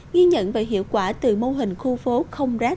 ghi nhận về hiệu quả từ mô hình khu phố không rác